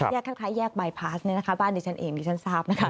แยกคล้ายแยกบายพาสบ้านเดี๋ยวฉันเองดีฉันทราบ